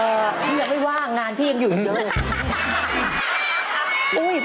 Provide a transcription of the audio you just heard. เออเดี๋ยวไม่ว่างงานพี่ยังอยู่อย่างเดิม